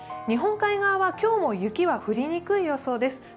日本海側は今日も雪は降りにくい予想です。